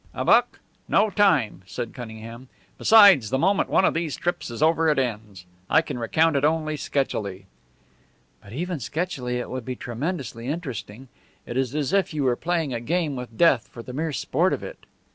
"A book? No time," said Cunningham. "Besides, the moment one of these trips is over it ends; I can recount it only sketchily." "But even sketchily it would be tremendously interesting. It is as if you were playing a game with death for the mere sport of it."